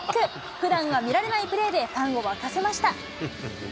ふだんは見られないプレーでファンを沸かせました。